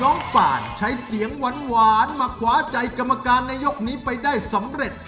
ป่านใช้เสียงหวานมาขวาใจกรรมการในยกนี้ไปได้สำเร็จ